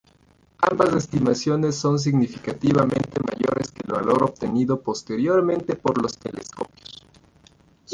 Ambas estimaciones son significativamente mayores que el valor obtenido posteriormente por los telescopios.